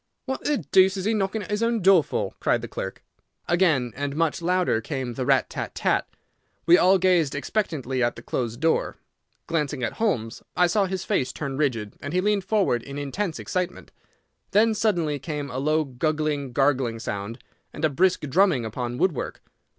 "What the deuce is he knocking at his own door for?" cried the clerk. Again and much louder came the rat tat tat. We all gazed expectantly at the closed door. Glancing at Holmes, I saw his face turn rigid, and he leaned forward in intense excitement. Then suddenly came a low guggling, gargling sound, and a brisk drumming upon woodwork.